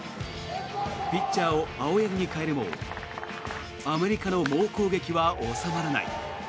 ピッチャーを青柳に代えるもアメリカの猛攻撃は収まらない。